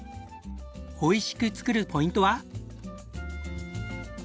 おいしく作るポイントは？